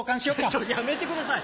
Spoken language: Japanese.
ちょっやめてください